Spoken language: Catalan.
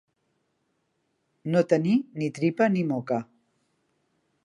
No tenir ni tripa ni moca.